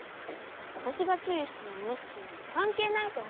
わたしがちゅういしたのをむしするのはかんけいないとおもうし。